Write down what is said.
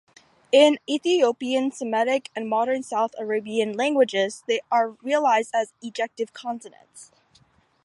In Ethiopian Semitic and Modern South Arabian languages, they are realized as ejective consonants.